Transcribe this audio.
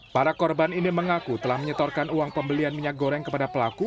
para korban ini mengaku telah menyetorkan uang pembelian minyak goreng kepada pelaku